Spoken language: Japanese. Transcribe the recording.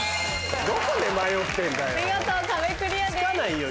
どこで迷ってんだよ？